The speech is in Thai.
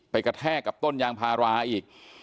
กระแทกกับต้นยางพาราอีก